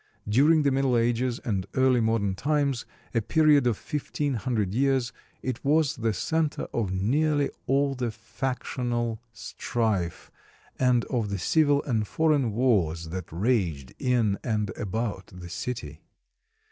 During the Middle Ages and early modern times, a period of fifteen hundred years, it was the center of nearly all the factional strife and of the civil and foreign wars that raged in and about the city.